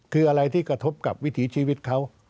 คืออะไรที่กระทบกับวิถีชีวิตเขา